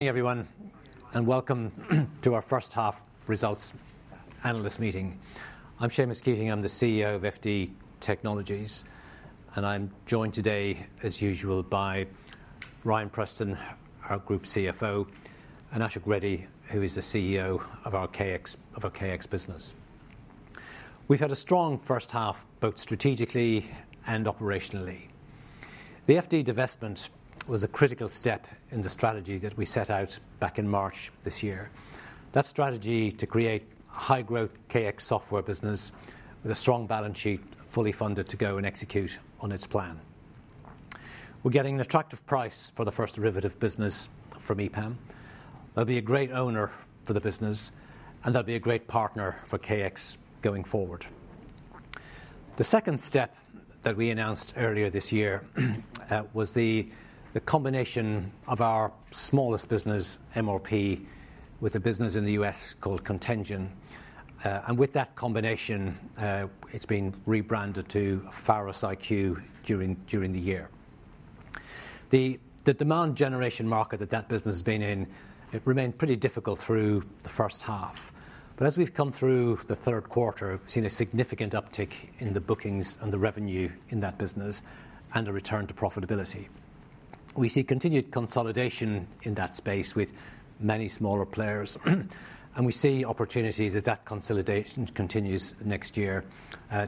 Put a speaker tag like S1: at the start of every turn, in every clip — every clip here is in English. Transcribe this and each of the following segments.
S1: Hey, everyone, and welcome to our first half results analyst meeting. I'm Seamus Keating. I'm the CEO of FD Technologies, and I'm joined today, as usual, by Ryan Preston, our Group CFO, and Ashok Reddy, who is the CEO of our KX business. We've had a strong first half, both strategically and operationally. The FD divestment was a critical step in the strategy that we set out back in March this year. That strategy is to create a high-growth KX software business with a strong balance sheet, fully funded to go and execute on its plan. We're getting an attractive price for the First Derivative business from EPAM. They'll be a great owner for the business, and they'll be a great partner for KX going forward. The second step that we announced earlier this year was the combination of our smallest business, MRP, with a business in the US called CONTENTgine, and with that combination, it's been rebranded to PharosIQ during the year. The demand generation market that that business has been in remained pretty difficult through the first half, but as we've come through the third quarter, we've seen a significant uptick in the bookings and the revenue in that business and a return to profitability. We see continued consolidation in that space with many smaller players, and we see opportunities as that consolidation continues next year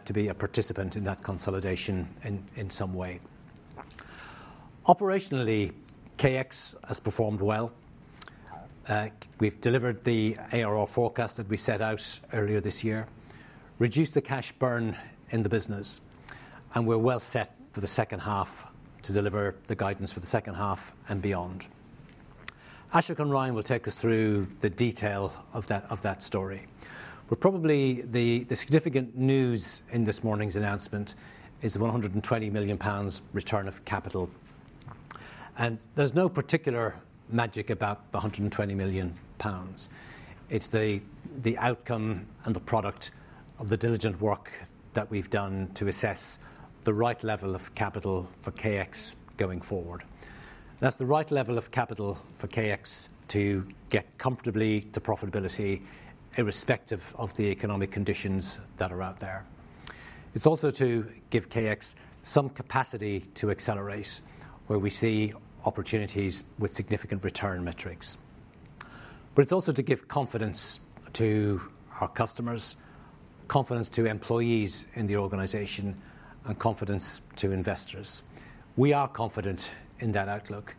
S1: to be a participant in that consolidation in some way. Operationally, KX has performed well. We've delivered the ARR forecast that we set out earlier this year, reduced the cash burn in the business, and we're well set for the second half to deliver the guidance for the second half and beyond. Ashok and Ryan will take us through the detail of that story. Probably the significant news in this morning's announcement is the 120 million pounds return of capital, and there's no particular magic about the 120 million pounds. It's the outcome and the product of the diligent work that we've done to assess the right level of capital for KX going forward. That's the right level of capital for KX to get comfortably to profitability, irrespective of the economic conditions that are out there. It's also to give KX some capacity to accelerate where we see opportunities with significant return metrics. But it's also to give confidence to our customers, confidence to employees in the organization, and confidence to investors. We are confident in that outlook.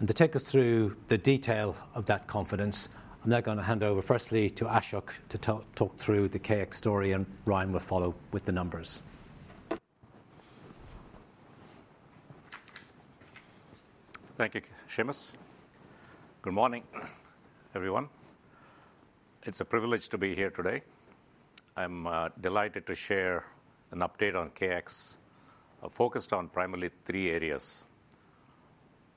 S1: And to take us through the detail of that confidence, I'm now going to hand over firstly to Ashok to talk through the KX story, and Ryan will follow with the numbers.
S2: Thank you, Seamus. Good morning, everyone. It's a privilege to be here today. I'm delighted to share an update on KX focused on primarily three areas.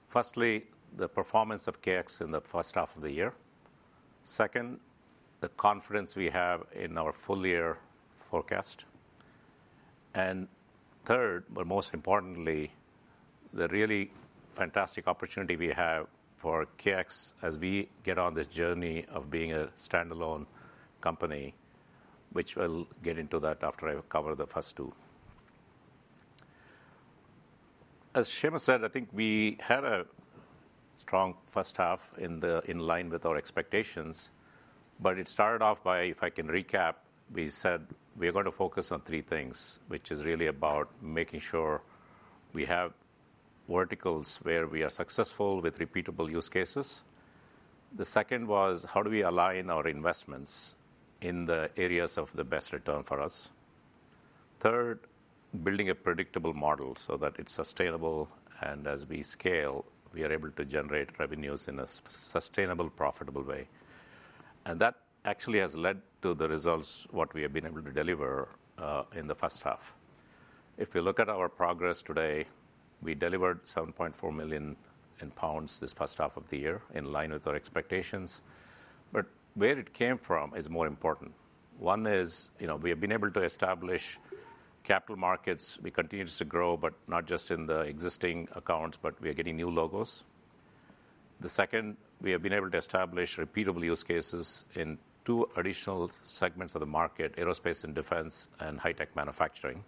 S2: Firstly, the performance of KX in the first half of the year. Second, the confidence we have in our full-year forecast. And third, but most importantly, the really fantastic opportunity we have for KX as we get on this journey of being a standalone company, which we'll get into that after I cover the first two. As Seamus said, I think we had a strong first half in line with our expectations, but it started off by, if I can recap, we said we are going to focus on three things, which is really about making sure we have verticals where we are successful with repeatable use cases. The second was how do we align our investments in the areas of the best return for us. Third, building a predictable model so that it's sustainable, and as we scale, we are able to generate revenues in a sustainable, profitable way, and that actually has led to the results what we have been able to deliver in the first half. If you look at our progress today, we delivered 7.4 million pounds this first half of the year in line with our expectations, but where it came from is more important. One is we have been able to establish capital markets. We continue to grow, but not just in the existing accounts, but we are getting new logos. The second, we have been able to establish repeatable use cases in two additional segments of the market: aerospace and defense and high-tech manufacturing.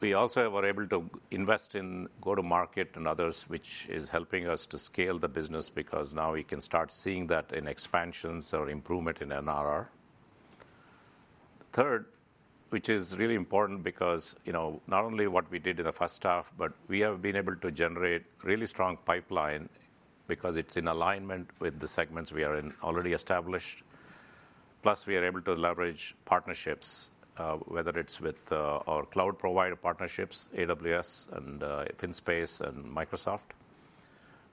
S2: We also were able to invest in go-to-market and others, which is helping us to scale the business because now we can start seeing that in expansions or improvement in NRR. Third, which is really important because not only what we did in the first half, but we have been able to generate a really strong pipeline because it's in alignment with the segments we are in already established. Plus, we are able to leverage partnerships, whether it's with our cloud provider partnerships, AWS and FinSpace and Microsoft.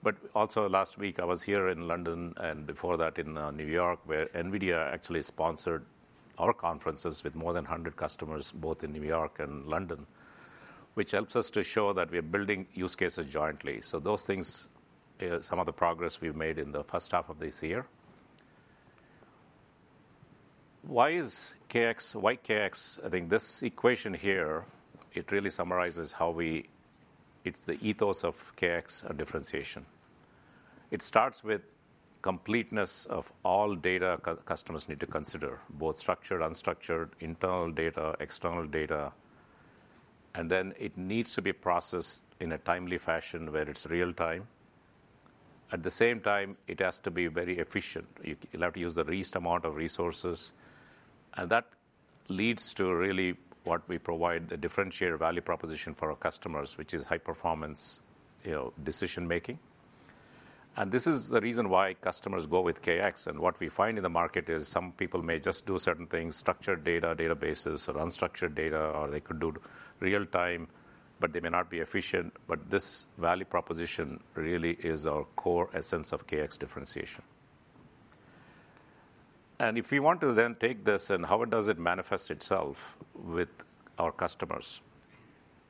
S2: But also, last week, I was here in London and before that in New York, where NVIDIA actually sponsored our conferences with more than 100 customers, both in New York and London, which helps us to show that we are building use cases jointly. So those things are some of the progress we've made in the first half of this year. Why is KX, why KX? I think this equation here, it really summarizes how we, it's the ethos of KX and differentiation. It starts with completeness of all data customers need to consider, both structured, unstructured, internal data, external data, and then it needs to be processed in a timely fashion where it's real-time. At the same time, it has to be very efficient. You'll have to use the least amount of resources, and that leads to really what we provide: the differentiated value proposition for our customers, which is high-performance decision-making. And this is the reason why customers go with KX, and what we find in the market is some people may just do certain things: structured data, databases, or unstructured data, or they could do real-time, but they may not be efficient, but this value proposition really is our core essence of KX differentiation. And if we want to then take this and how it does it manifest itself with our customers,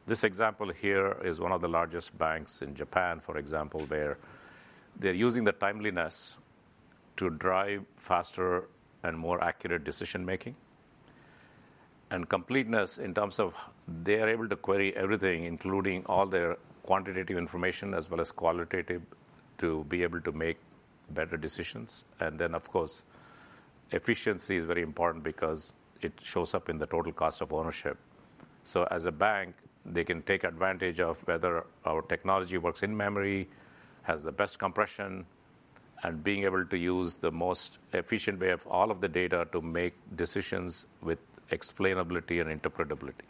S2: this example here is one of the largest banks in Japan, for example, where they're using the timeliness to drive faster and more accurate decision-making and completeness in terms of they are able to query everything, including all their quantitative information as well as qualitative, to be able to make better decisions. And then, of course, efficiency is very important because it shows up in the total cost of ownership. So as a bank, they can take advantage of whether our technology works in memory, has the best compression, and being able to use the most efficient way of all of the data to make decisions with explainability and interpretability.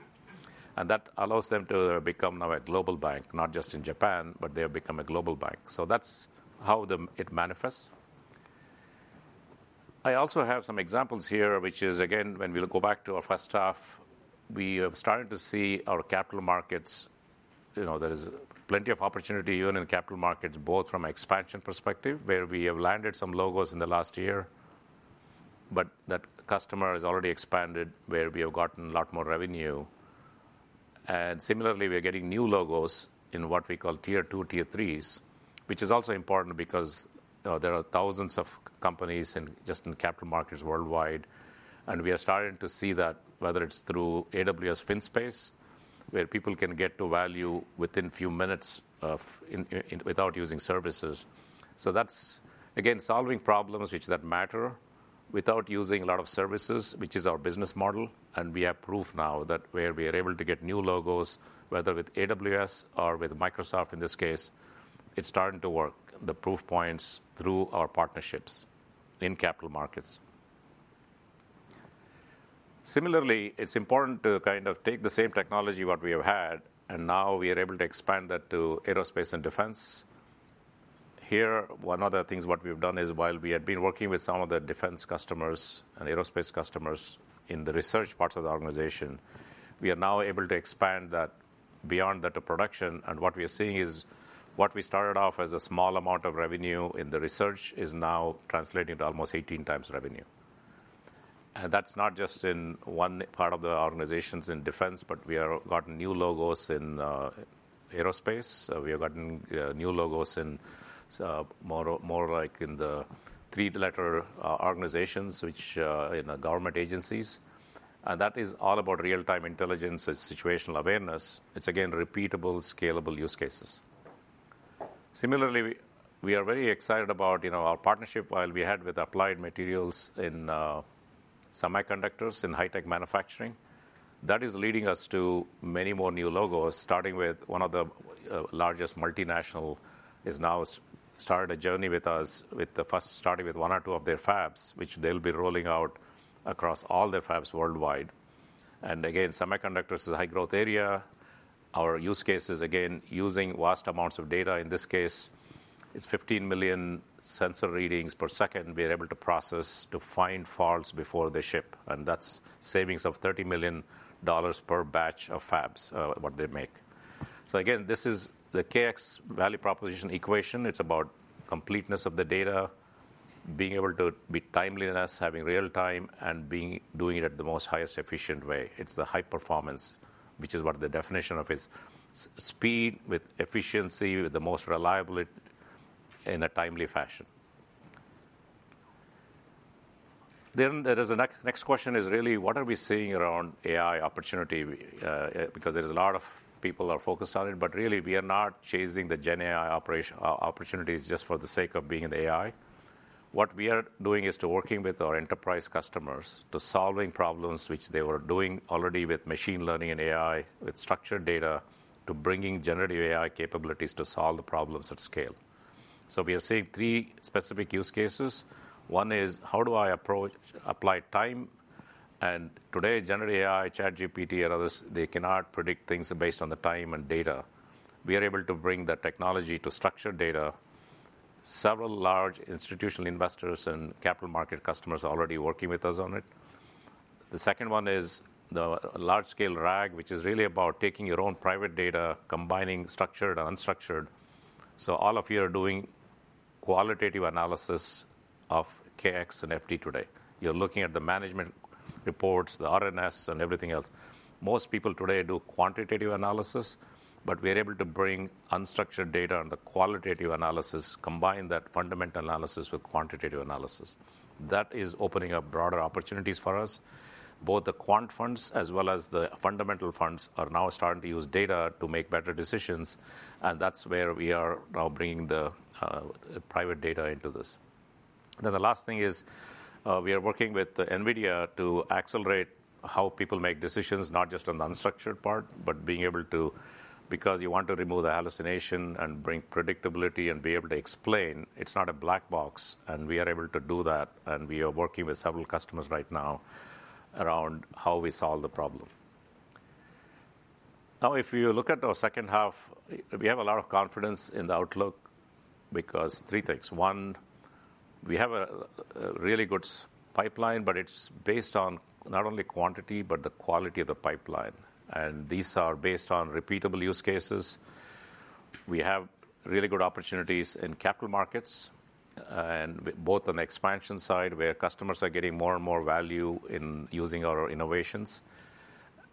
S2: And that allows them to become now a global bank, not just in Japan, but they have become a global bank. So that's how it manifests. I also have some examples here, which is, again, when we go back to our first half, we have started to see our capital markets. There is plenty of opportunity here in capital markets, both from an expansion perspective, where we have landed some logos in the last year, but that customer has already expanded, where we have gotten a lot more revenue. And similarly, we are getting new logos in what we call tier two, tier threes, which is also important because there are thousands of companies just in capital markets worldwide. And we are starting to see that, whether it's through AWS FinSpace, where people can get to value within a few minutes without using services. So that's, again, solving problems which matter without using a lot of services, which is our business model. We have proof now that where we are able to get new logos, whether with AWS or with Microsoft in this case, it's starting to work, the proof points through our partnerships in capital markets. Similarly, it's important to kind of take the same technology what we have had, and now we are able to expand that to aerospace and defense. Here, one of the things what we've done is while we had been working with some of the defense customers and aerospace customers in the research parts of the organization, we are now able to expand that beyond that to production. And what we are seeing is what we started off as a small amount of revenue in the research is now translating to almost 18 times revenue. That's not just in one part of the organizations in defense, but we have gotten new logos in aerospace. We have gotten new logos in more like in the three-letter organizations, which are government agencies. That is all about real-time intelligence and situational awareness. It's, again, repeatable, scalable use cases. Similarly, we are very excited about our partnership that we have with Applied Materials in semiconductors and high-tech manufacturing. That is leading us to many more new logos, starting with one of the largest multinationals that has now started a journey with us, starting with one or two of their fabs, which they'll be rolling out across all their fabs worldwide. Again, semiconductors is a high-growth area. Our use case is, again, using vast amounts of data. In this case, it's 15 million sensor readings per second we are able to process to find faults before they ship. And that's savings of $30 million per batch of fabs what they make. So again, this is the KX value proposition equation. It's about completeness of the data, being able to be timeliness, having real-time, and doing it at the most highest efficient way. It's the high performance, which is what the definition of is: speed with efficiency with the most reliability in a timely fashion. Then there is a next question is really what are we seeing around AI opportunity? Because there's a lot of people who are focused on it, but really we are not chasing the Gen AI opportunities just for the sake of being in AI. What we are doing is working with our enterprise customers to solve problems which they were doing already with machine learning and AI, with structured data to bringing generative AI capabilities to solve the problems at scale. So we are seeing three specific use cases. One is how do I apply time? Today, Generative AI, ChatGPT, and others, they cannot predict things based on the time-series data. We are able to bring the technology to structured data. Several large institutional investors and capital market customers are already working with us on it. The second one is the large-scale RAG, which is really about taking your own private data, combining structured and unstructured. So all of you are doing qualitative analysis of KX and FD today. You're looking at the management reports, the RNS, and everything else. Most people today do quantitative analysis, but we are able to bring unstructured data and the qualitative analysis, combine that fundamental analysis with quantitative analysis. That is opening up broader opportunities for us. Both the quant funds as well as the fundamental funds are now starting to use data to make better decisions. And that's where we are now bringing the private data into this. Then the last thing is we are working with NVIDIA to accelerate how people make decisions, not just on the unstructured part, but being able to, because you want to remove the hallucination and bring predictability and be able to explain. It's not a black box. And we are able to do that. And we are working with several customers right now around how we solve the problem. Now, if you look at our second half, we have a lot of confidence in the outlook because three things. One, we have a really good pipeline, but it's based on not only quantity, but the quality of the pipeline. And these are based on repeatable use cases. We have really good opportunities in capital markets and both on the expansion side where customers are getting more and more value in using our innovations.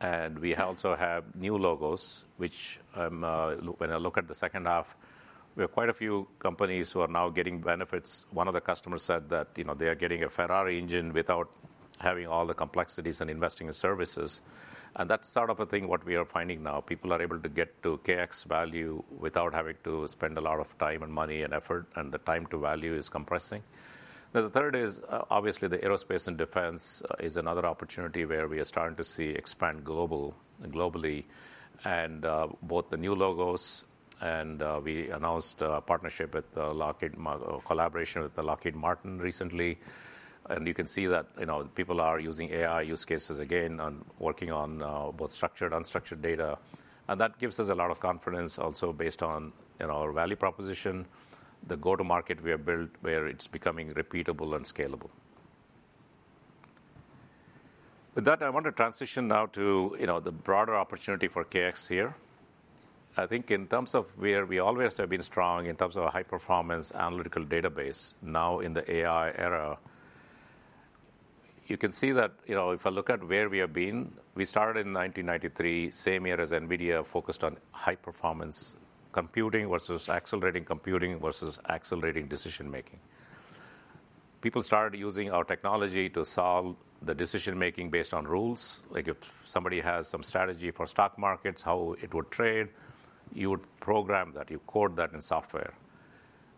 S2: And we also have new logos, which when I look at the second half, we have quite a few companies who are now getting benefits. One of the customers said that they are getting a Ferrari engine without having all the complexities and investing in services. And that's sort of a thing what we are finding now. People are able to get to KX value without having to spend a lot of time and money and effort, and the time to value is compressing. Then the third is obviously the aerospace and defense is another opportunity where we are starting to see expand globally. And both the new logos, and we announced a partnership with Lockheed Martin, collaboration with Lockheed Martin recently. You can see that people are using AI use cases again and working on both structured and unstructured data. And that gives us a lot of confidence also based on our value proposition, the go-to-market we have built where it's becoming repeatable and scalable. With that, I want to transition now to the broader opportunity for KX here. I think in terms of where we always have been strong in terms of a high-performance analytical database, now in the AI era, you can see that if I look at where we have been, we started in 1993, same year as NVIDIA focused on high-performance computing versus accelerating computing versus accelerating decision-making. People started using our technology to solve the decision-making based on rules. Like if somebody has some strategy for stock markets, how it would trade, you would program that, you code that in software.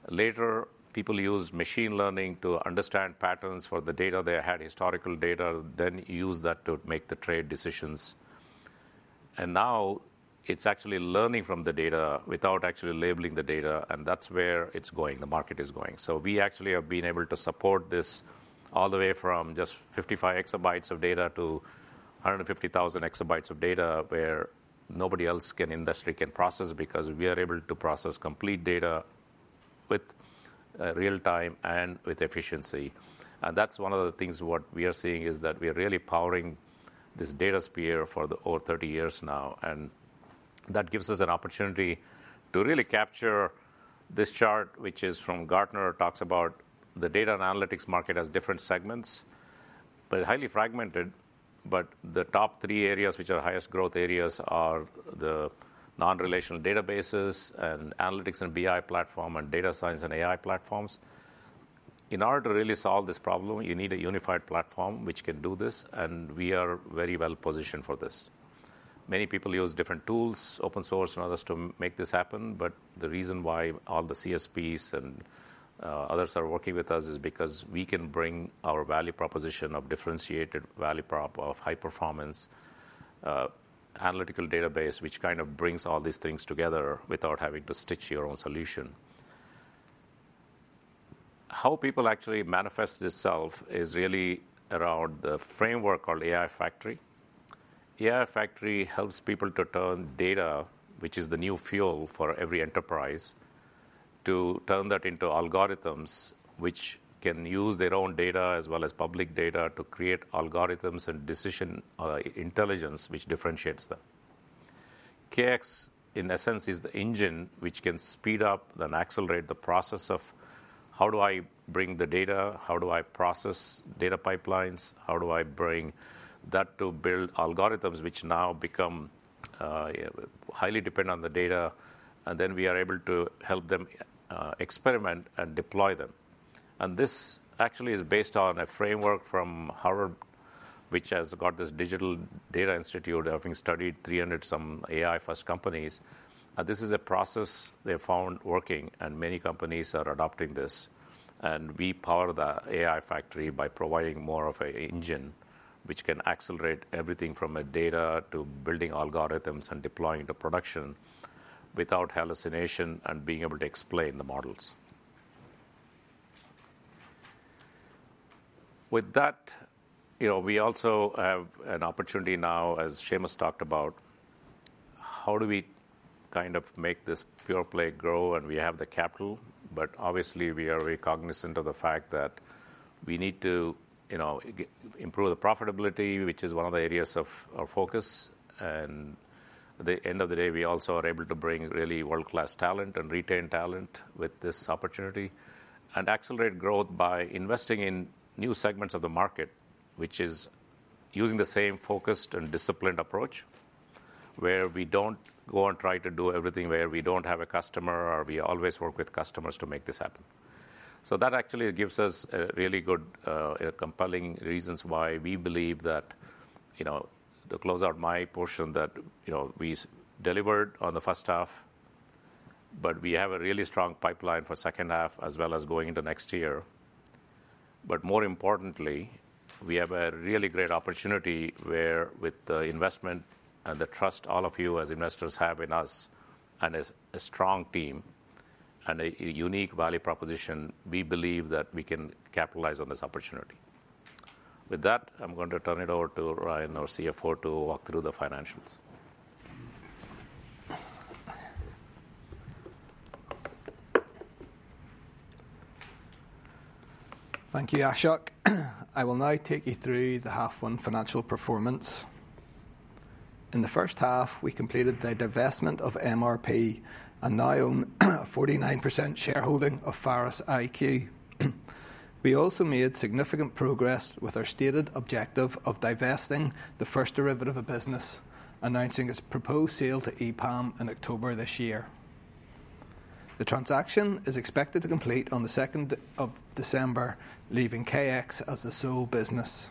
S2: Later, people used machine learning to understand patterns for the data. They had historical data, then use that to make the trade decisions. And now it's actually learning from the data without actually labeling the data. And that's where it's going, the market is going. So we actually have been able to support this all the way from just 55 exabytes of data to 150,000 exabytes of data where nobody else can in the industry can process because we are able to process complete data with real-time and with efficiency. And that's one of the things what we are seeing is that we are really powering this data sphere for the over 30 years now. And that gives us an opportunity to really capture this chart, which is from Gartner, talks about the data and analytics market as different segments, but highly fragmented. But the top three areas which are highest growth areas are the non-relational databases and analytics and BI platform and data science and AI platforms. In order to really solve this problem, you need a unified platform which can do this. And we are very well positioned for this. Many people use different tools, open source and others to make this happen. But the reason why all the CSPs and others are working with us is because we can bring our value proposition of differentiated value prop of high-performance analytical database, which kind of brings all these things together without having to stitch your own solution. How people actually manifest themselves is really around the framework called AI Factory. AI Factory helps people to turn data, which is the new fuel for every enterprise, to turn that into algorithms which can use their own data as well as public data to create algorithms and decision intelligence which differentiates them. KX, in essence, is the engine which can speed up and accelerate the process of how do I bring the data, how do I process data pipelines, how do I bring that to build algorithms which now become highly dependent on the data. And then we are able to help them experiment and deploy them. And this actually is based on a framework from Harvard, which has got this Digital Data Design Institute having studied 300-some AI-first companies. And this is a process they found working, and many companies are adopting this. And we power the AI Factory by providing more of an engine which can accelerate everything from data to building algorithms and deploying to production without hallucination and being able to explain the models. With that, we also have an opportunity now, as Seamus talked about, how do we kind of make this pure play grow? And we have the capital, but obviously we are cognizant of the fact that we need to improve the profitability, which is one of the areas of our focus. And at the end of the day, we also are able to bring really world-class talent and retain talent with this opportunity and accelerate growth by investing in new segments of the market, which is using the same focused and disciplined approach where we don't go and try to do everything where we don't have a customer or we always work with customers to make this happen. So that actually gives us really good, compelling reasons why we believe that to close out my portion that we delivered on the first half, but we have a really strong pipeline for the second half as well as going into next year. But more importantly, we have a really great opportunity where with the investment and the trust all of you as investors have in us and a strong team and a unique value proposition, we believe that we can capitalize on this opportunity. With that, I'm going to turn it over to Ryan, our CFO, to walk through the financials.
S3: Thank you, Ashok. I will now take you through the half one financial performance. In the first half, we completed the divestment of MRP and now own 49% shareholding of PharosIQ. We also made significant progress with our stated objective of divesting the First Derivative business, announcing its proposed sale to EPAM in October this year. The transaction is expected to complete on the 2nd of December, leaving KX as the sole business.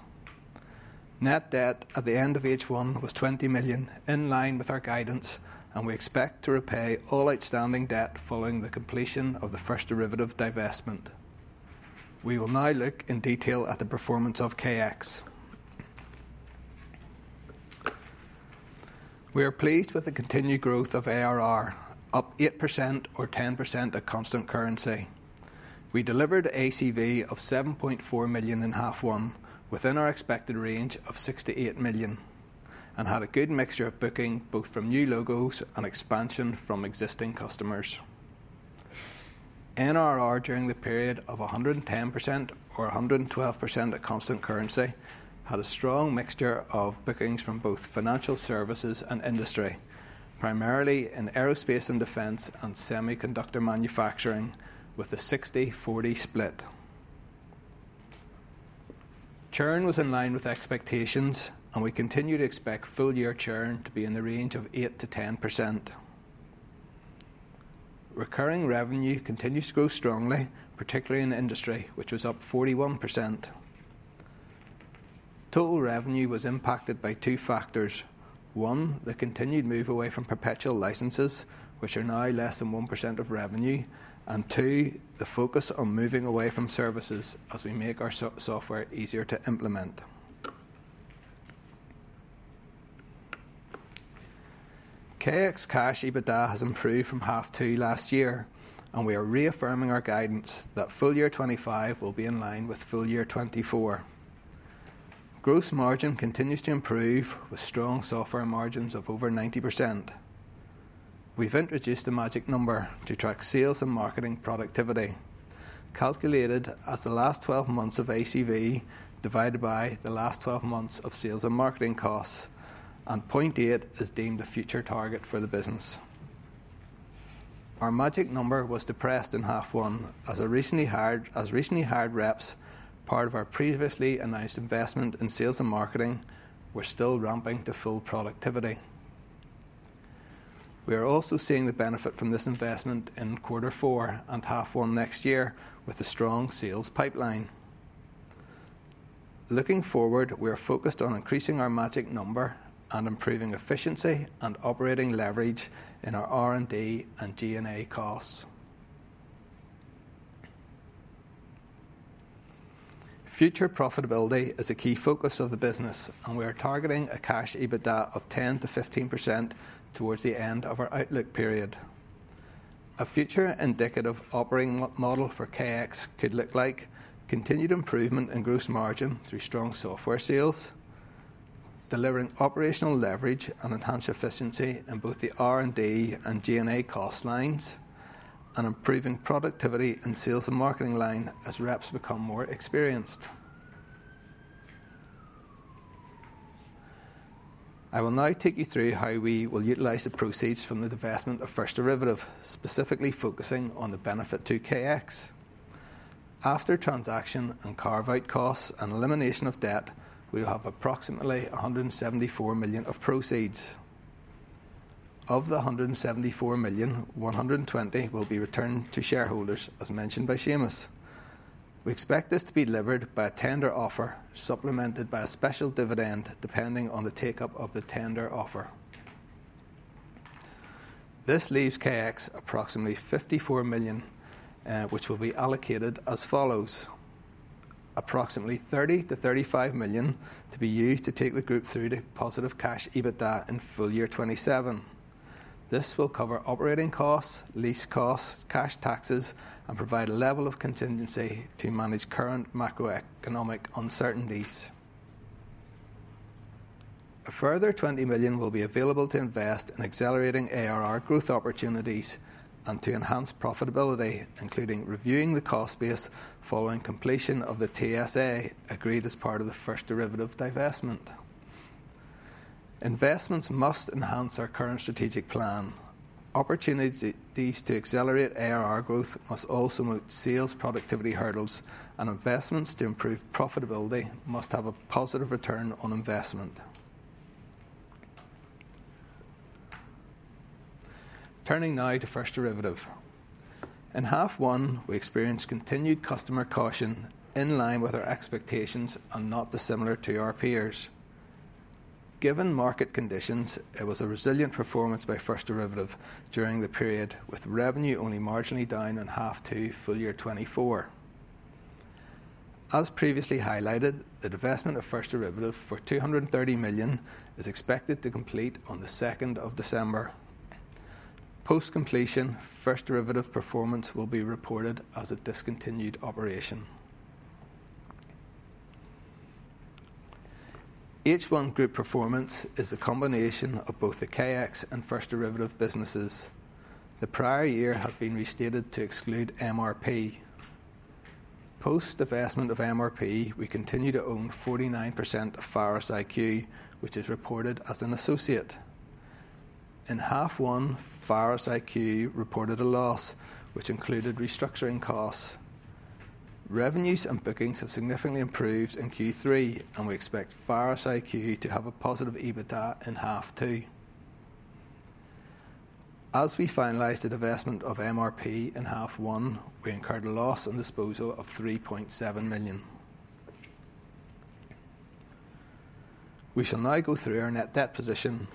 S3: Net debt at the end of H1 was 20 million, in line with our guidance, and we expect to repay all outstanding debt following the completion of the First Derivative divestment. We will now look in detail at the performance of KX. We are pleased with the continued growth of ARR, up 8% or 10% at constant currency. We delivered ACV of 7.4 million in half one within our expected range of 6-8 million and had a good mixture of booking both from new logos and expansion from existing customers. NRR during the period of 110% or 112% at constant currency had a strong mixture of bookings from both financial services and industry, primarily in aerospace and defense and semiconductor manufacturing with a 60/40 split. Churn was in line with expectations, and we continue to expect full year churn to be in the range of 8%-10%. Recurring revenue continues to grow strongly, particularly in industry, which was up 41%. Total revenue was impacted by two factors. One, the continued move away from perpetual licenses, which are now less than 1% of revenue, and two, the focus on moving away from services as we make our software easier to implement. KX Cash EBITDA has improved from half two last year, and we are reaffirming our guidance that full year 2025 will be in line with full year 2024. Gross margin continues to improve with strong software margins of over 90%. We've introduced a magic number to track sales and marketing productivity, calculated as the last 12 months of ACV divided by the last 12 months of sales and marketing costs, and 0.8 is deemed a future target for the business. Our magic number was depressed in half one as recently hired reps, part of our previously announced investment in sales and marketing, were still ramping to full productivity. We are also seeing the benefit from this investment in quarter four and half one next year with a strong sales pipeline. Looking forward, we are focused on increasing our magic number and improving efficiency and operating leverage in our R&D and G&A costs. Future profitability is a key focus of the business, and we are targeting a Cash EBITDA of 10%-15% towards the end of our outlook period. A future indicative operating model for KX could look like continued improvement in gross margin through strong software sales, delivering operational leverage and enhanced efficiency in both the R&D and G&A cost lines, and improving productivity in sales and marketing line as reps become more experienced. I will now take you through how we will utilize the proceeds from the divestment of First Derivative, specifically focusing on the benefit to KX. After transaction and carve-out costs and elimination of debt, we will have approximately 174 million of proceeds. Of the 174 million, 120 million will be returned to shareholders as mentioned by Seamus. We expect this to be delivered by a tender offer supplemented by a special dividend depending on the take-up of the tender offer. This leaves KX approximately 54 million, which will be allocated as follows. Approximately 30-35 million to be used to take the group through to positive Cash EBITDA in full year 2027. This will cover operating costs, lease costs, cash taxes, and provide a level of contingency to manage current macroeconomic uncertainties. A further 20 million will be available to invest in accelerating ARR growth opportunities and to enhance profitability, including reviewing the cost base following completion of the TSA agreed as part of the First Derivative divestment. Investments must enhance our current strategic plan. Opportunities to accelerate ARR growth must also move sales productivity hurdles, and investments to improve profitability must have a positive return on investment. Turning now to First Derivative. In half one, we experienced continued customer caution in line with our expectations and not dissimilar to our peers. Given market conditions, it was a resilient performance by First Derivative during the period with revenue only marginally down in half two full year 24. As previously highlighted, the divestment of First Derivative for 230 million is expected to complete on the 2nd of December. Post-completion, First Derivative performance will be reported as a discontinued operation. H1 group performance is a combination of both the KX and First Derivative businesses. The prior year has been restated to exclude MRP. Post-divestment of MRP, we continue to own 49% of PharosIQ, which is reported as an associate. In half one, PharosIQ reported a loss, which included restructuring costs. Revenues and bookings have significantly improved in Q3, and we expect PharosIQ to have a positive EBITDA in half two. As we finalize the divestment of MRP in half one, we incurred a loss on disposal of 3.7 million. We shall now go through our net debt position.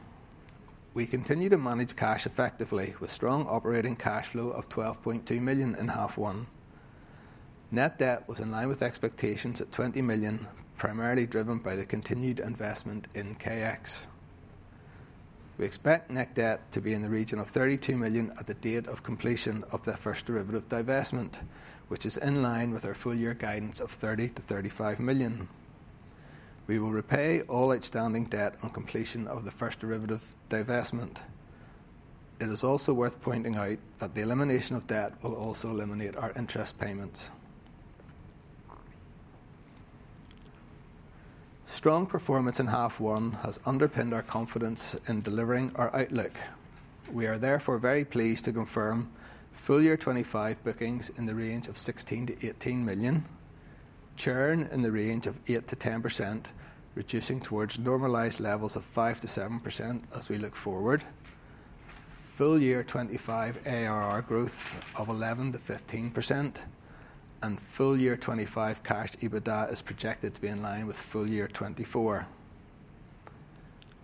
S3: We continue to manage cash effectively with strong operating cash flow of 12.2 million in half one. Net debt was in line with expectations at 20 million, primarily driven by the continued investment in KX. We expect net debt to be in the region of 32 million at the date of completion of the First Derivative divestment, which is in line with our full year guidance of 30-35 million. We will repay all outstanding debt on completion of the First Derivative divestment. It is also worth pointing out that the elimination of debt will also eliminate our interest payments. Strong performance in half one has underpinned our confidence in delivering our outlook. We are therefore very pleased to confirm full year 2025 bookings in the range of 16-18 million, churn in the range of 8%-10%, reducing towards normalized levels of 5%-7% as we look forward, full year 2025 ARR growth of 11%-15%, and full year 2025 cash EBITDA is projected to be in line with full year 2024.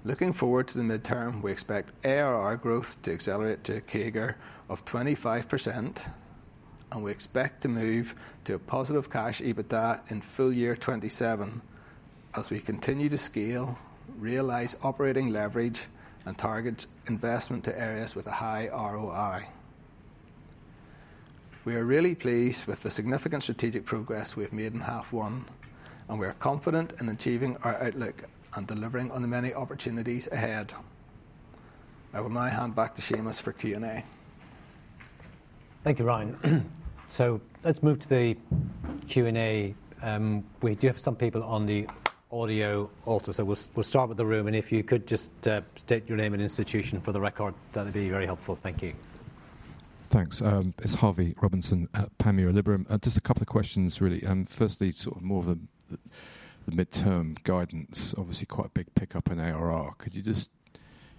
S3: Looking forward to the midterm, we expect ARR growth to accelerate to a CAGR of 25%, and we expect to move to a positive cash EBITDA in full year 2027 as we continue to scale, realize operating leverage, and target investment to areas with a high ROI. We are really pleased with the significant strategic progress we've made in half one, and we are confident in achieving our outlook and delivering on the many opportunities ahead. I will now hand back to Seamus for Q&A.
S1: Thank you, Ryan. So let's move to the Q&A. We do have some people on the audio also, so we'll start with the room. And if you could just state your name and institution for the record, that'd be very helpful. Thank you.
S4: Thanks. It's Harvey Robinson at Panmure Liberum. Just a couple of questions, really. Firstly, sort of more of the midterm guidance, obviously quite a big pickup in ARR. Could you just,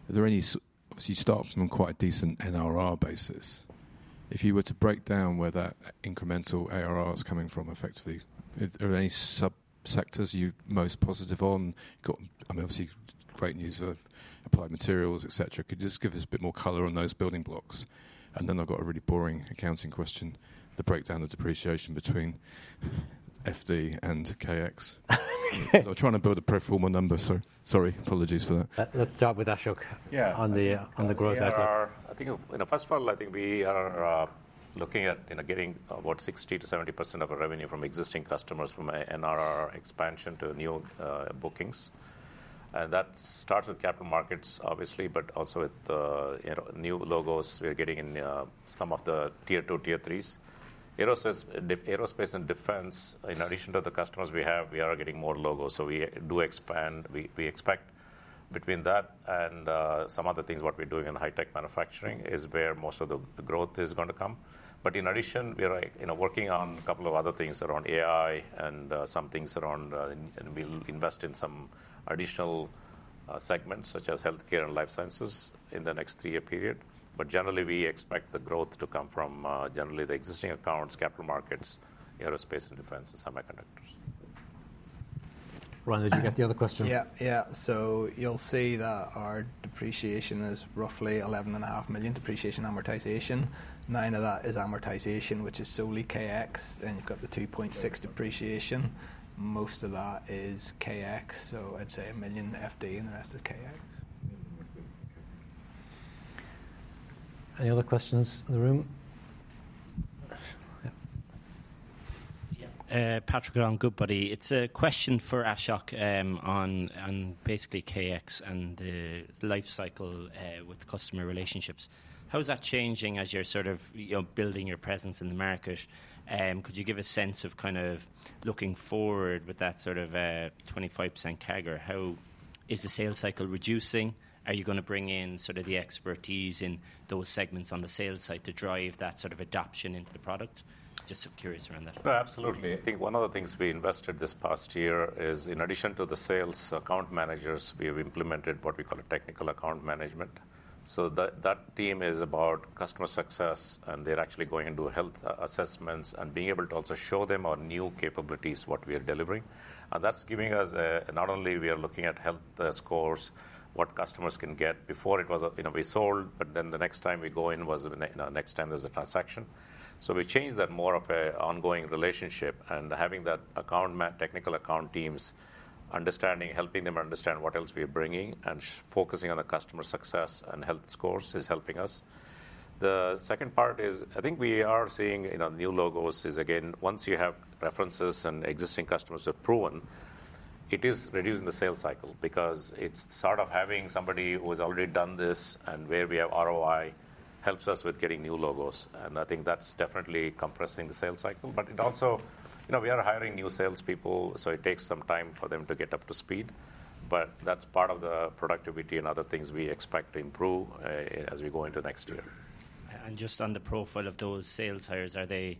S4: are there any, obviously you start from quite a decent NRR basis. If you were to break down where that incremental ARR is coming from effectively, are there any sub-sectors you're most positive on? I mean, obviously great news for Applied Materials, etc. Could you just give us a bit more color on those building blocks? And then I've got a really boring accounting question, the breakdown of depreciation between FD and KX. So I'm trying to build a pro forma number. Sorry, apologies for that.
S3: Let's start with Ashok on the growth.
S2: I think, first of all, I think we are looking at getting about 60%-70% of our revenue from existing customers from NRR expansion to new bookings. And that starts with capital markets, obviously, but also with new logos we are getting in some of the tier two, tier threes. Aerospace and defense, in addition to the customers we have, we are getting more logos. So we do expand, we expect between that and some other things what we're doing in high-tech manufacturing is where most of the growth is going to come. But in addition, we are working on a couple of other things around AI and some things around, and we'll invest in some additional segments such as healthcare and life sciences in the next three-year period. But generally, we expect the growth to come from generally the existing accounts, capital markets, aerospace and defense, and semiconductors.
S1: Ryan, did you get the other question?
S3: Yeah, yeah. So you'll see that our depreciation is roughly 11.5 million depreciation amortization. Nine of that is amortization, which is solely KX, and you've got the 2.6 million depreciation. Most of that is KX, so I'd say 1 million FD and the rest is KX.
S1: Any other questions in the room?
S5: Patrick O'Donnell, Goodbody. It's a question for Ashok on basically KX and the life cycle with customer relationships. How is that changing as you're sort of building your presence in the market? Could you give a sense of kind of looking forward with that sort of 25% CAGR? How is the sales cycle reducing? Are you going to bring in sort of the expertise in those segments on the sales side to drive that sort of adoption into the product? Just so curious around that.
S2: Absolutely. I think one of the things we invested this past year is in addition to the sales account managers, we have implemented what we call a technical account management. So that team is about customer success, and they're actually going into health assessments and being able to also show them our new capabilities, what we are delivering. And that's giving us not only we are looking at health scores, what customers can get before it was we sold, but then the next time we go in was the next time there was a transaction. So we changed that more of an ongoing relationship and having that account, technical account teams understanding, helping them understand what else we are bringing and focusing on the customer success and health scores is helping us. The second part is, I think, we are seeing new logos. It's again, once you have references and existing customers have proven, it is reducing the sales cycle because it's sort of having somebody who has already done this and where we have ROI helps us with getting new logos. And I think that's definitely compressing the sales cycle, but it also, we are hiring new salespeople, so it takes some time for them to get up to speed, but that's part of the productivity and other things we expect to improve as we go into next year.
S5: Just on the profile of those sales hires, are they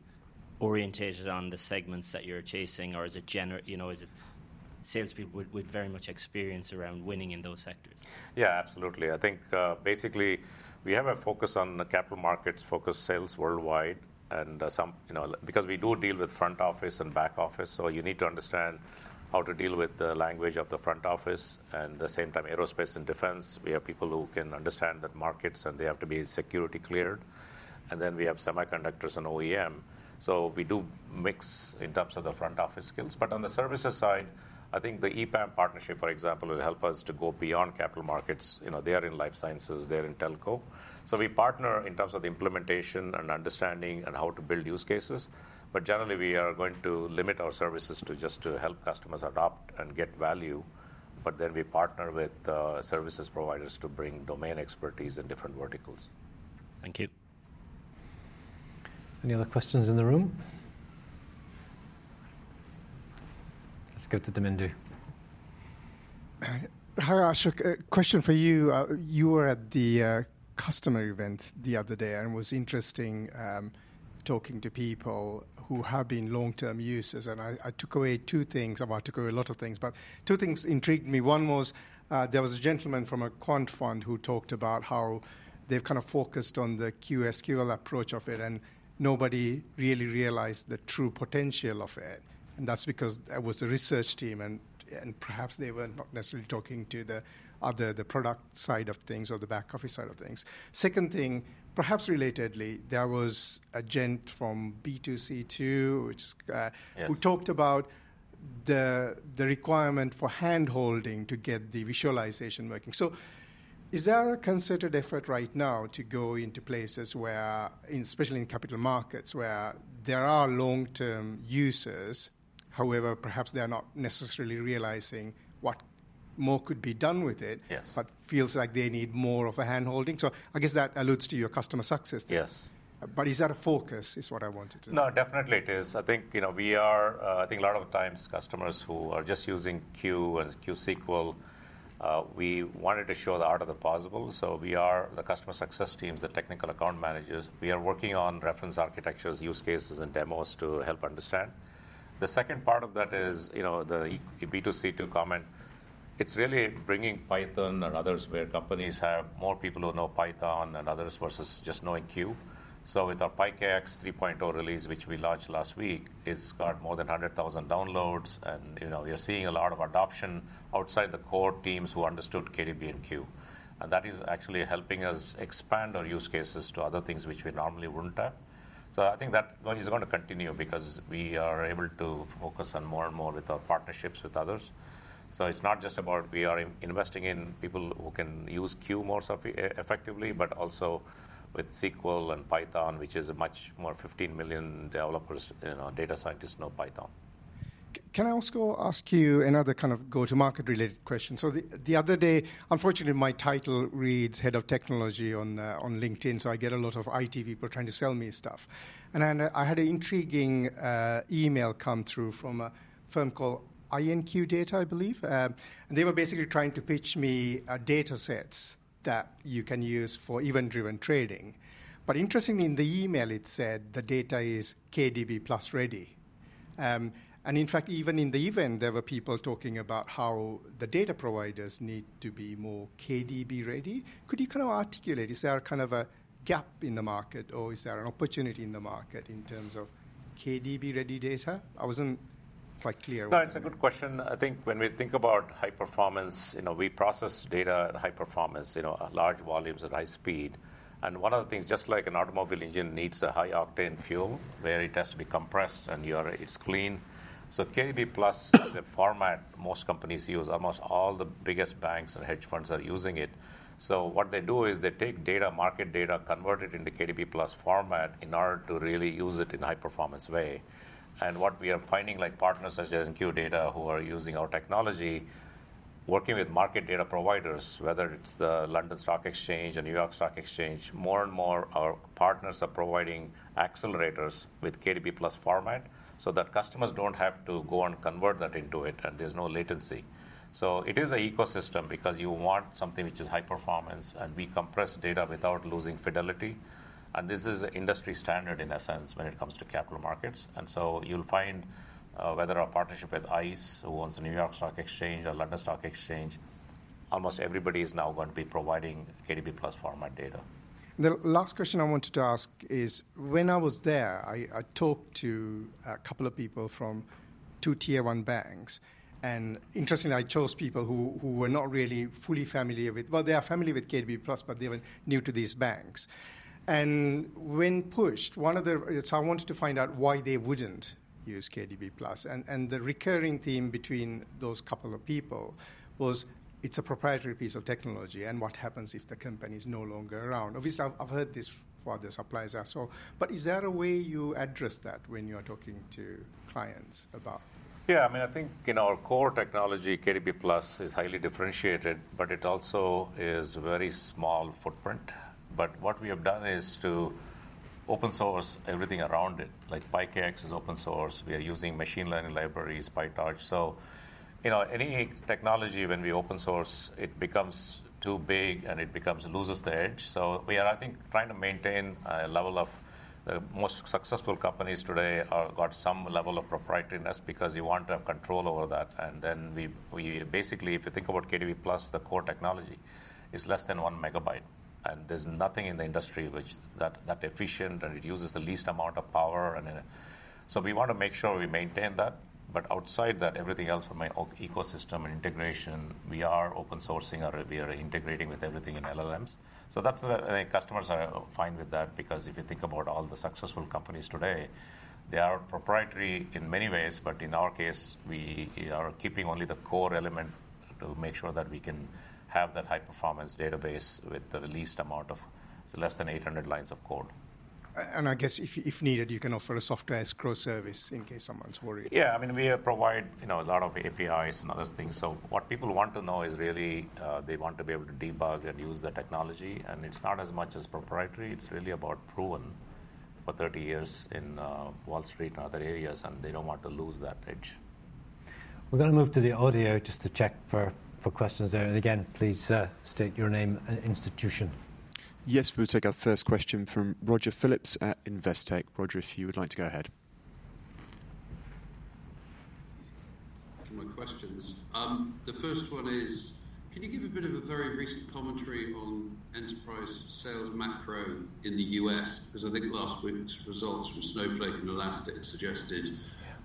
S5: oriented on the segments that you're chasing, or is it salespeople with very much experience around winning in those sectors?
S2: Yeah, absolutely. I think basically we have a focus on capital markets focused sales worldwide and because we do deal with front office and back office, so you need to understand how to deal with the language of the front office. And at the same time, aerospace and defense, we have people who can understand the markets and they have to be security cleared. And then we have semiconductors and OEM. So we do mix in terms of the front office skills. But on the services side, I think the EPAM partnership, for example, will help us to go beyond capital markets. They are in life sciences, they're in telco. So we partner in terms of the implementation and understanding and how to build use cases. But generally, we are going to limit our services to just help customers adopt and get value, but then we partner with service providers to bring domain expertise in different verticals.
S5: Thank you.
S1: Any other questions in the room? Let's go to Damindu. Hi, Ashok. Question for you. You were at the customer event the other day and was interesting talking to people who have been long-term users. And I took away two things, or I took away a lot of things, but two things intrigued me. One was there was a gentleman from a quant fund who talked about how they've kind of focused on the qSQL approach of it and nobody really realized the true potential of it. And that's because that was the research team and perhaps they were not necessarily talking to the other product side of things or the back office side of things. Second thing, perhaps relatedly, there was a gent from B2C2 who talked about the requirement for handholding to get the visualization working. So is there a concerted effort right now to go into places where, especially in capital markets where there are long-term users, however, perhaps they're not necessarily realizing what more could be done with it, but feels like they need more of a handholding? So I guess that alludes to your customer success there. But is that a focus is what I wanted to know.
S2: No, definitely it is. I think we are. I think a lot of times customers who are just using Q and qSQL, we wanted to show the art of the possible. So we are the customer success teams, the technical account managers. We are working on reference architectures, use cases, and demos to help understand. The second part of that is the B2C2 comment. It's really bringing Python and others where companies have more people who know Python and others versus just knowing Q. So with our PyKX 3.0 release, which we launched last week, it's got more than 100,000 downloads and we are seeing a lot of adoption outside the core teams who understood kdb+ and Q. And that is actually helping us expand our use cases to other things which we normally wouldn't have. So I think that is going to continue because we are able to focus on more and more with our partnerships with others. So it's not just about we are investing in people who can use Q more effectively, but also with SQL and Python, which is much more 15 million developers, data scientists know Python. Can I also ask you another kind of go-to-market related question? So the other day, unfortunately, my title reads head of technology on LinkedIn, so I get a lot of IT people trying to sell me stuff. And I had an intriguing email come through from a firm called Inqdata, I believe. And they were basically trying to pitch me data sets that you can use for event-driven trading. But interestingly, in the email, it said the data is kdb+ ready. And in fact, even in the event, there were people talking about how the data providers need to be more kdb+ ready. Could you kind of articulate is there kind of a gap in the market or is there an opportunity in the market in terms of kdb+ ready data? I wasn't quite clear. No, it's a good question. I think when we think about high performance, we process data at high performance, large volumes at high speed, and one of the things, just like an automobile engine needs a high octane fuel where it has to be compressed and it's clean, so kdb+ is a format most companies use. Almost all the biggest banks and hedge funds are using it, so what they do is they take data, market data, convert it into kdb+ format in order to really use it in a high performance way. What we are finding, like partners such as Inqdata who are using our technology, working with market data providers, whether it's the London Stock Exchange or New York Stock Exchange, more and more our partners are providing accelerators with kdb+ format so that customers don't have to go and convert that into it and there's no latency. It is an ecosystem because you want something which is high performance and we compress data without losing fidelity. This is an industry standard in a sense when it comes to capital markets. You'll find whether a partnership with ICE, who owns the New York Stock Exchange or London Stock Exchange, almost everybody is now going to be providing kdb+ format data. The last question I wanted to ask is when I was there, I talked to a couple of people from two tier one banks. Interestingly, I chose people who were not really fully familiar with, well, they are familiar with kdb+, but they were new to these banks. When pushed, one of the, so I wanted to find out why they wouldn't use kdb+. The recurring theme between those couple of people was it's a proprietary piece of technology and what happens if the company is no longer around. Obviously, I've heard this while the suppliers are sold, but is there a way you address that when you are talking to clients about? Yeah, I mean, I think in our core technology, kdb+ is highly differentiated, but it also is a very small footprint. But what we have done is to open source everything around it. Like PyKX is open source. We are using machine learning libraries, PyTorch. So any technology when we open source, it becomes too big and it loses the edge. So we are, I think, trying to maintain a level of the most successful companies today have got some level of proprietariness because you want to have control over that. And then we basically, if you think about kdb+, the core technology is less than one megabyte. And there's nothing in the industry that efficient and it uses the least amount of power. And so we want to make sure we maintain that. But outside that, everything else in my ecosystem and integration, we are open sourcing or we are integrating with everything in LLMs. So that's why customers are fine with that because if you think about all the successful companies today, they are proprietary in many ways, but in our case, we are keeping only the core element to make sure that we can have that high performance database with the least amount of less than 800 lines of code. And I guess if needed, you can offer software as a service in case someone's worried. Yeah, I mean, we provide a lot of APIs and other things. So what people want to know is really they want to be able to debug and use the technology. And it's not as much as proprietary. It's really about proven for 30 years in Wall Street and other areas, and they don't want to lose that edge.
S3: We're going to move to the audio just to check for questions there, and again, please state your name and institution.
S6: Yes, we'll take our first question from Roger Phillips at Investec. Roger, if you would like to go ahead.
S7: My questions. The first one is, can you give a bit of a very recent commentary on enterprise sales macro in the U.S.? Because I think last week's results from Snowflake and Elastic suggested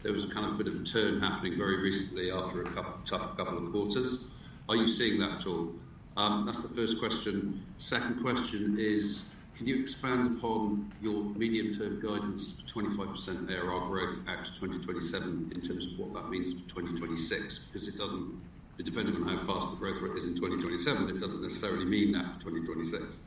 S7: there was a kind of bit of a turn happening very recently after a tough couple of quarters. Are you seeing that at all? That's the first question. Second question is, can you expand upon your medium-term guidance for 25% ARR growth out to 2027 in terms of what that means for 2026? Because it doesn't, depending on how fast the growth rate is in 2027, it doesn't necessarily mean that for 2026.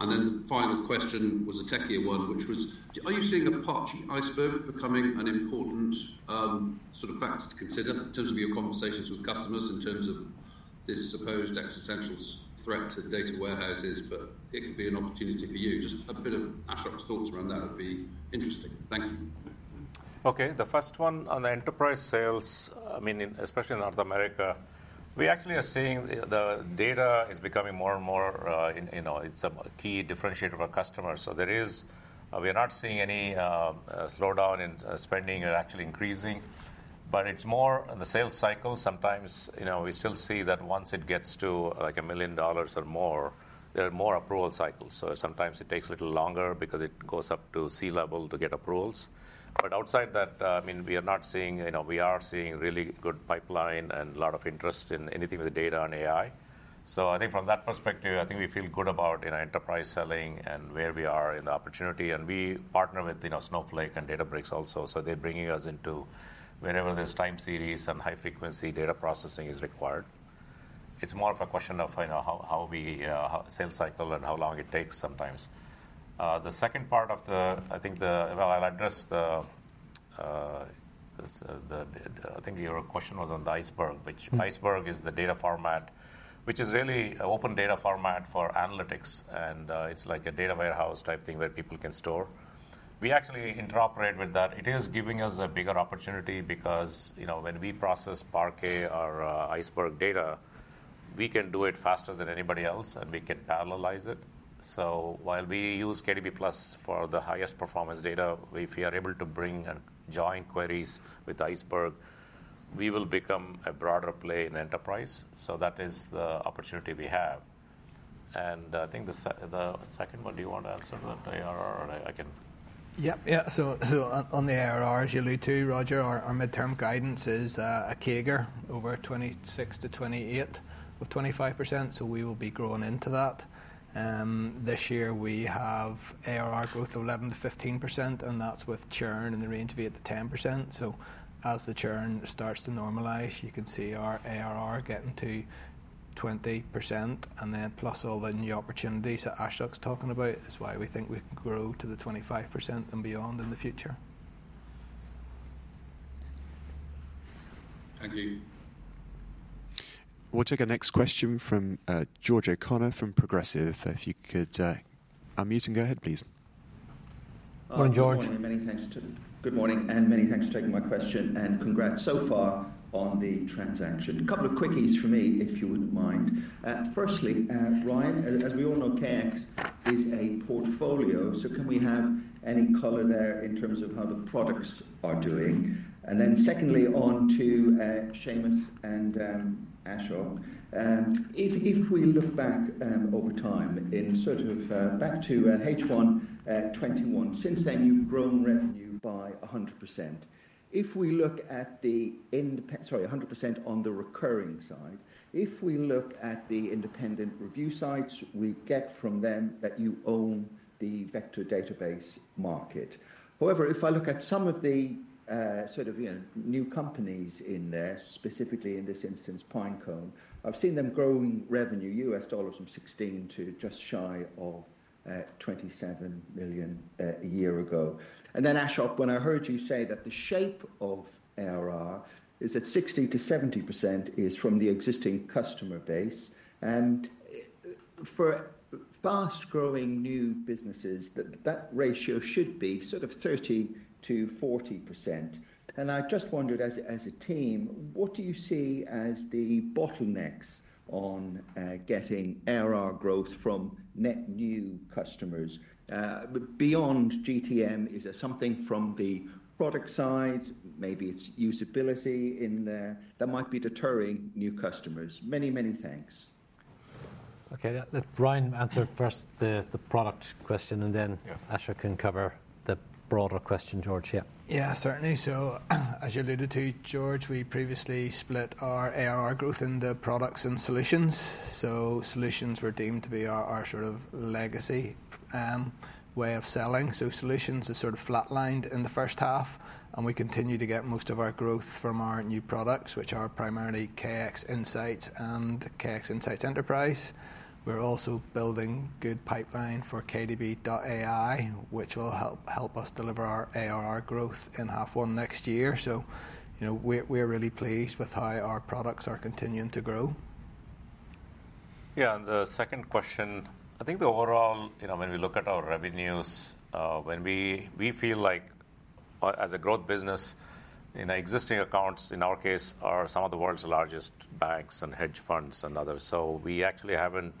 S7: And then the final question was a techier one, which was, are you seeing a part of the Apache Iceberg becoming an important sort of factor to consider in terms of your conversations with customers in terms of this supposed existential threat to data warehouses, but it could be an opportunity for you? Just a bit of Ashok's thoughts around that would be interesting. Thank you.
S2: Okay, the first one on the enterprise sales, I mean, especially in North America, we actually are seeing the data is becoming more and more, it's a key differentiator of our customers. So there is, we are not seeing any slowdown in spending and actually increasing, but it's more the sales cycle. Sometimes we still see that once it gets to like $1 million or more, there are more approval cycles. So sometimes it takes a little longer because it goes up to C level to get approvals. But outside that, I mean, we are not seeing, we are seeing really good pipeline and a lot of interest in anything with data and AI. So I think from that perspective, I think we feel good about enterprise selling and where we are in the opportunity, and we partner with Snowflake and Databricks also. They're bringing us into wherever there's time series and high frequency data processing is required. It's more of a question of how we sales cycle and how long it takes sometimes. The second part. I think, well, I'll address it. I think your question was on the Iceberg, which is the data format, which is really an open data format for analytics. And it's like a data warehouse type thing where people can store. We actually interoperate with that. It is giving us a bigger opportunity because when we process Parquet or Iceberg data, we can do it faster than anybody else and we can parallelize it. While we use kdb+ for the highest performance data, if we are able to run and join queries with Iceberg, we will become a broader play in enterprise. That is the opportunity we have. And I think the second one, do you want to answer that ARR or I can?
S3: Yeah, yeah. So on the ARRs, you alluded to, Roger, our midterm guidance is a CAGR over 26 to 28 of 25%. So we will be growing into that. This year we have ARR growth of 11%-15% and that's with churn in the range of 8%-10%. So as the churn starts to normalize, you can see our ARR getting to 20%. And then plus all the new opportunities that Ashok's talking about is why we think we can grow to the 25% and beyond in the future.
S7: Thank you.
S6: We'll take a next question from George O'Connor from Progressive. If you could unmute and go ahead, please.
S3: Morning, George.
S8: Good morning and many thanks for taking my question and congrats so far on the transaction. A couple of quickies for me, if you wouldn't mind. Firstly, Ryan, as we all know, KX is a portfolio. So can we have any color there in terms of how the products are doing? And then secondly, on to Seamus and Ashok. If we look back over time in sort of back to H1 2021, since then you've grown revenue by 100%. If we look at the, sorry, 100% on the recurring side, if we look at the independent review sites, we get from them that you own the vector database market. However, if I look at some of the sort of new companies in there, specifically in this instance, Pinecone, I've seen them growing revenue US dollars from $16 million to just shy of $27 million a year ago. Then Ashok, when I heard you say that the shape of ARR is at 60%-70% is from the existing customer base. For fast growing new businesses, that ratio should be sort of 30%-40%. I just wondered as a team what you see as the bottlenecks on getting ARR growth from net new customers beyond GTM. Is there something from the product side? Maybe it's usability in there that might be deterring new customers. Many, many thanks.
S1: Okay, let Ryan answer first the product question and then Ashok can cover the broader question, George. Yeah.
S3: Yeah, certainly. So as you alluded to, George, we previously split our ARR growth in the products and solutions. So solutions were deemed to be our sort of legacy way of selling. So solutions are sort of flatlined in the first half. And we continue to get most of our growth from our new products, which are primarily KX Insights and KX Insights Enterprise. We're also building good pipeline for KDB.AI, which will help us deliver our ARR growth in half one next year. So we're really pleased with how our products are continuing to grow.
S2: Yeah, and the second question, I think the overall, when we look at our revenues, we feel like as a growth business, existing accounts in our case are some of the world's largest banks and hedge funds and others. So we actually haven't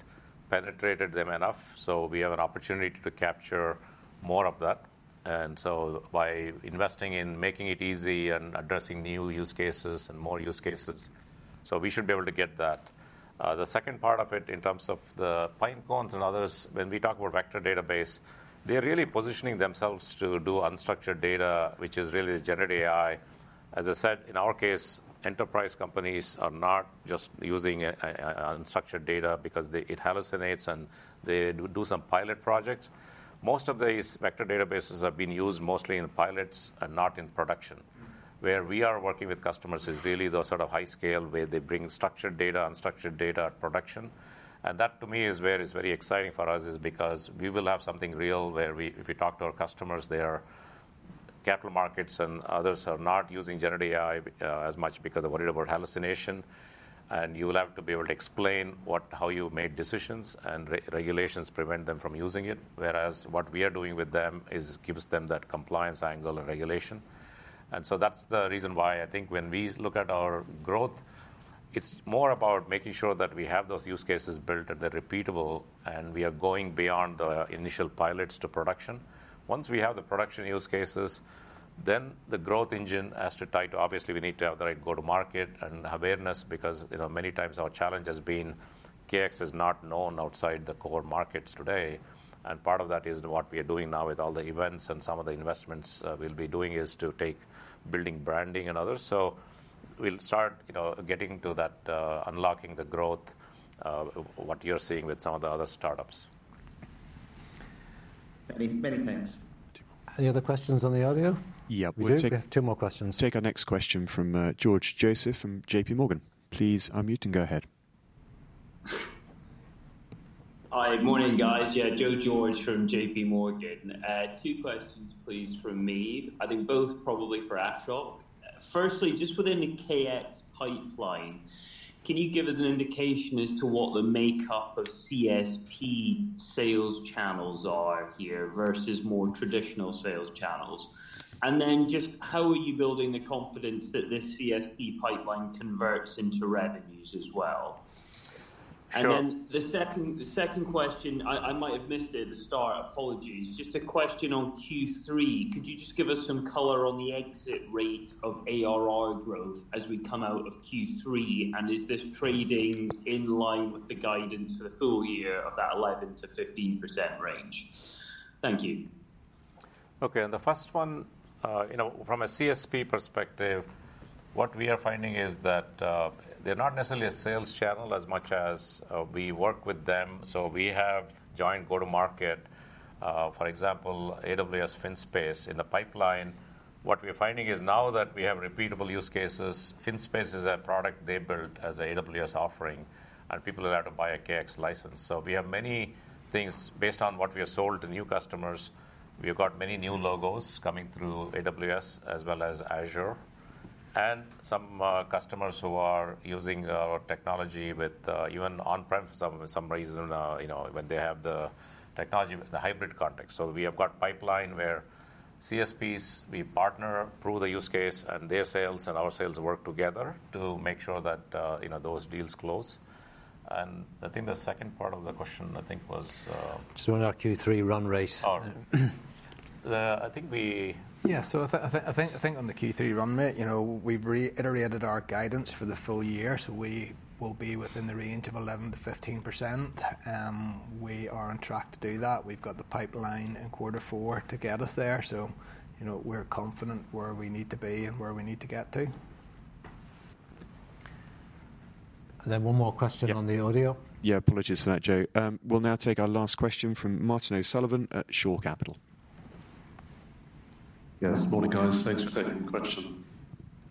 S2: penetrated them enough. So we have an opportunity to capture more of that. And so by investing in making it easy and addressing new use cases and more use cases, so we should be able to get that. The second part of it in terms of the Pinecone and others, when we talk about vector database, they're really positioning themselves to do unstructured data, which is really generative AI. As I said, in our case, enterprise companies are not just using unstructured data because it hallucinates and they do some pilot projects. Most of these vector databases have been used mostly in pilots and not in production. Where we are working with customers is really those sort of high scale where they bring structured data, unstructured data at production. And that to me is where it's very exciting for us is because we will have something real where if we talk to our customers, their capital markets and others are not using generative AI as much because they're worried about hallucination. And you will have to be able to explain how you made decisions and regulations prevent them from using it. Whereas what we are doing with them gives them that compliance angle and regulation. And so that's the reason why I think when we look at our growth, it's more about making sure that we have those use cases built and they're repeatable and we are going beyond the initial pilots to production. Once we have the production use cases, then the growth engine has to ignite. Obviously, we need to have the right go-to-market and awareness because many times our challenge has been KX is not known outside the core markets today. Part of that is what we are doing now with all the events and some of the investments we'll be doing is to tackle building branding and others. We'll start getting to that, unlocking the growth, what you're seeing with some of the other startups.
S8: Many thanks.
S1: Any other questions on the audio?
S6: Yeah.
S1: We'll take two more questions.
S6: Take our next question from George Joseph from J.P. Morgan. Please unmute and go ahead.
S9: Hi, morning guys. Yeah, George Joseph from J.P. Morgan. Two questions please from me. I think both probably for Ashok. Firstly, just within the KX pipeline, can you give us an indication as to what the makeup of CSP sales channels are here versus more traditional sales channels? And then just how are you building the confidence that this CSP pipeline converts into revenues as well? And then the second question, I might have missed it at the start, apologies. Just a question on Q3. Could you just give us some color on the exit rate of ARR growth as we come out of Q3? And is this trading in line with the guidance for the full year of that 11%-15% range? Thank you.
S2: Okay, and the first one, from a CSP perspective, what we are finding is that they're not necessarily a sales channel as much as we work with them. So we have joint go-to-market, for example, AWS FinSpace in the pipeline. What we are finding is now that we have repeatable use cases, FinSpace is a product they built as an AWS offering and people are allowed to buy a KX license. So we have many things based on what we have sold to new customers. We have got many new logos coming through AWS as well as Azure. And some customers who are using our technology with even on-prem for some reason when they have the technology, the hybrid context. So we have got pipeline where CSPs, we partner, prove the use case and their sales and our sales work together to make sure that those deals close. I think the second part of the question I think was.
S3: In our Q3 run rate.
S1: I think we.
S3: Yeah, so I think on the Q3 run rate, we've reiterated our guidance for the full year. So we will be within the range of 11%-15%. We are on track to do that. We've got the pipeline in quarter four to get us there. So we're confident where we need to be and where we need to get to.
S1: And then one more question on the audio.
S6: Yeah, apologies for that, Joe. We'll now take our last question from Martin O'Sullivan at Shore Capital.
S10: Yes, good morning, guys. Thanks for taking the question.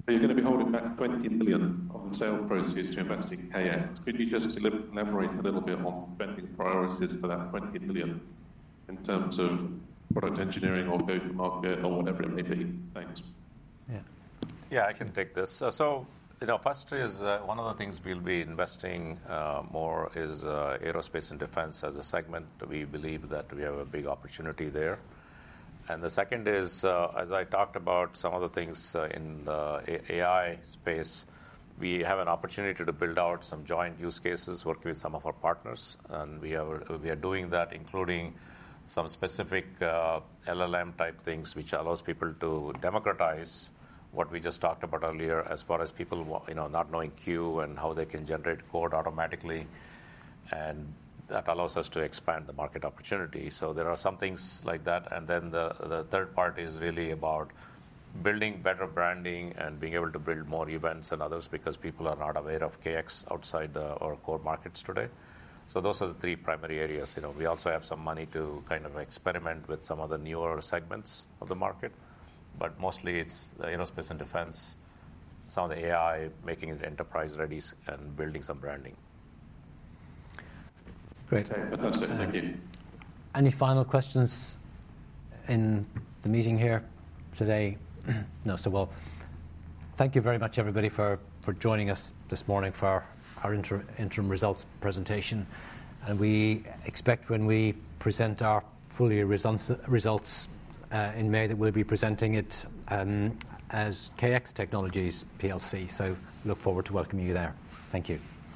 S10: Are you going to be holding back 20 million on the sales process to invest in KX? Could you just elaborate a little bit on spending priorities for that 20 million in terms of product engineering or go-to-market or whatever it may be? Thanks.
S2: Yeah, I can take this. So first is one of the things we'll be investing more is aerospace and defense as a segment. We believe that we have a big opportunity there. And the second is, as I talked about some of the things in the AI space, we have an opportunity to build out some joint use cases working with some of our partners. And we are doing that, including some specific LLM type things, which allows people to democratize what we just talked about earlier as far as people not knowing Q and how they can generate code automatically. And that allows us to expand the market opportunity. So there are some things like that. And then the third part is really about building better branding and being able to build more events and others because people are not aware of KX outside our core markets today. So those are the three primary areas. We also have some money to kind of experiment with some of the newer segments of the market. But mostly it's aerospace and defense, some of the AI making it enterprise ready and building some branding.
S10: Great. Thank you.
S1: Any final questions in the meeting here today? No, so well. Thank you very much, everybody, for joining us this morning for our interim results presentation. We expect when we present our full year results in May, that we'll be presenting it as KX Technologies PLC. Look forward to welcoming you there. Thank you.